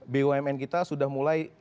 bumn kita sudah mulai